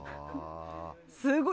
すごい。